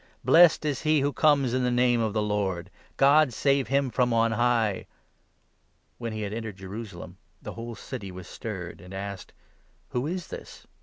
Blessed is He who conies in the name of the Lord ! God save him from on high !" When he had entered Jerusalem, the whole city was stirred, 10 and asked — "Who is this?"